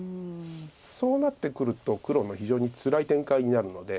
そうなってくると黒の非常につらい展開になるので。